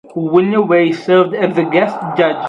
William Wei served as the guest judge.